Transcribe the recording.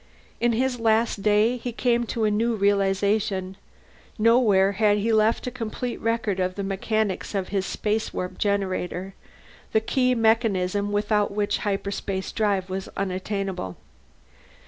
In his last day he came to a new realization: nowhere had he left a complete record of the mechanics of his spacewarp generator, the key mechanism without which hyperspace drive was unattainable.